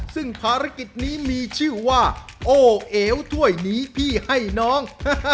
ซึ่งภารกิจนี้มีชื่อว่าโอ้เอ๋วถ้วยนี้พี่ให้น้อง